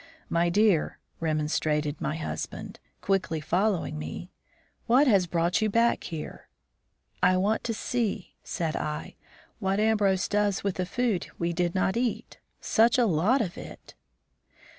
"My dear," remonstrated my husband, quickly following me, "what has brought you back here?" "I want to see," said I, "what Ambrose does with the food we did not eat. Such a lot of it!"